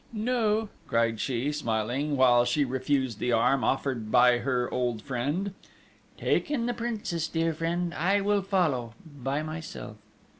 "... No," cried she, smiling, whilst she refused the arm offered by her old friend; "take in the Princess, dear friend; I will follow ... by myself!"